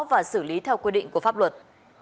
và xử lý theo quy định của pháp luật